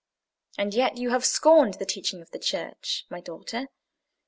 And yet you have scorned the teaching of the Church, my daughter.